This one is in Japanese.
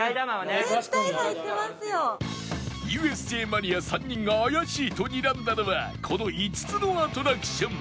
ＵＳＪ マニア３人が怪しいとにらんだのはこの５つのアトラクション